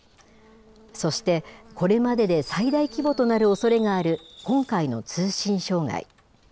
そして、これまでで最大規模となるおそれがある今回の通信障害。